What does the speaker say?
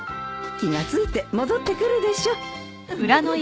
気が付いて戻ってくるでしょう